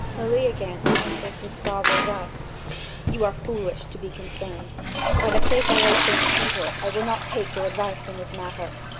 Meleagant answers his father thus: "You are foolish to be concerned. By the faith I owe St. Peter, I will not take your advice in this matter.